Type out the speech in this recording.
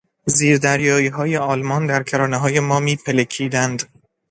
زیردریاییهای آلمان در کرانههای ما میپلکیدند.